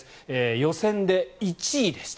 予選で１位でした。